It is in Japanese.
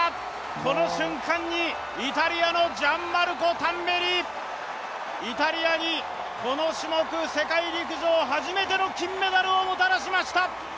この瞬間にイタリアのジャンマルコ・タンベリ、イタリアにこの種目、世界陸上初めての金メダルをもたらしました！